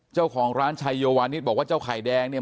เจ้าของร้านชัยโยวานิสบอกว่าเจ้าไข่แดงเนี่ย